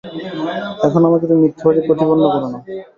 এখন আমাকে তুমি মিথ্যাবাদী প্রতিপন্ন করো না।